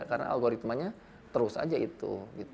karena algoritmanya terus saja itu